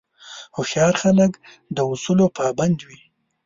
هوښیار خلک د اصولو پابند وي.